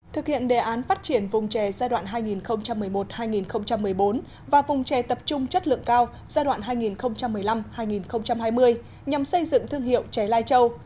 thực hiện đề án phát triển vùng chè giai đoạn hai nghìn một mươi một hai nghìn một mươi bốn và vùng chè tập trung chất lượng cao giai đoạn hai nghìn một mươi năm hai nghìn hai mươi nhằm xây dựng thương hiệu chè lai châu